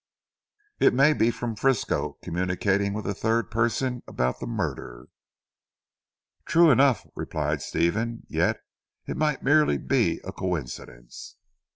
It may be from Frisco communicating with a third person about the murder." "True enough;" replied Stephen, "yet it might merely be a coincidence."